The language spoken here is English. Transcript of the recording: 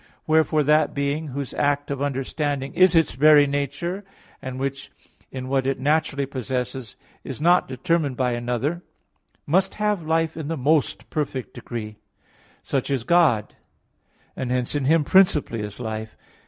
Wherefore that being whose act of understanding is its very nature, and which, in what it naturally possesses, is not determined by another, must have life in the most perfect degree. Such is God; and hence in Him principally is life.